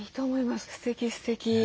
すてきすてき。